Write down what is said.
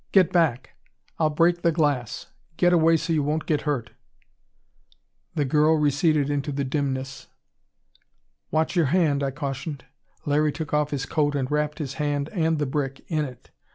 "Get back. I'll break the glass. Get away so you won't get hurt." The girl receded into the dimness. "Watch your hand," I cautioned. Larry took off his coat and wrapped his hand and the brick in it.